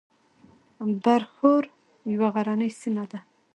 برښور یوه غرنۍ سیمه ده